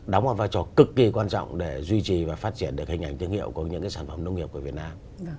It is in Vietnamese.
đóng một vai trò cực kỳ quan trọng để duy trì và phát triển được hình ảnh thương hiệu của những cái sản phẩm nông nghiệp của việt nam